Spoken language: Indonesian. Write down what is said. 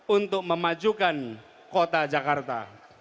untuk memajukan kota jakarta